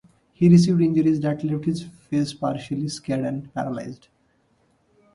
He received injuries that left his face partially scarred and paralysed.